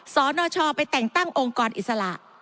สนชไปแต่งตั้งองค์กรอิสระ